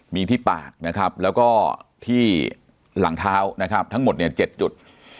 มีที่ปากนะครับแล้วก็ที่หลังเท้านะครับทั้งหมดเนี่ย๗จุด